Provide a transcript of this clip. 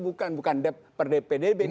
bukan dep per pdb